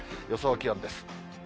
予想気温です。